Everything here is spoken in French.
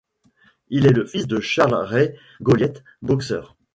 Il est le fils de Charles Rey-Golliet boxeur.